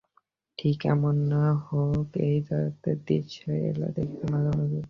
ঠিক এমন না হোক এই জাতের দৃশ্য এলা দেখেছে মাঝে মাঝে।